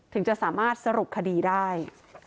ถึงจะสามารถสรุปคดีได้